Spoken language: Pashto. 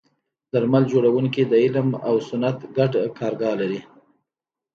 درمل جوړونکي د علم او صنعت ګډه کارګاه لري.